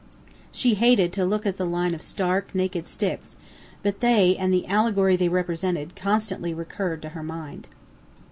She hated to look at the line of stark, naked sticks, but they, and the "allegory" they represented, constantly recurred to her mind.